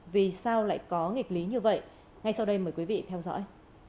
vì sao lại có nghịch lý như vậy ngay sau đây mời quý vị theo dõi